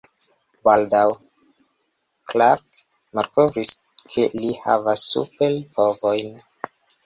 Baldaŭ, Clark malkovris, ke li havas super-povojn.